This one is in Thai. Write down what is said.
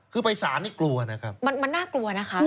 คือไปสารนี่กลัวนะครับมันน่ากลัวนะคะ